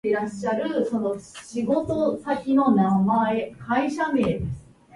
考えればわかるでしょ